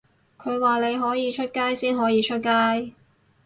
佢話你可以出街先可以出街